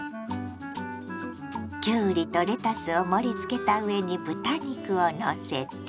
きゅうりとレタスを盛り付けた上に豚肉をのせて。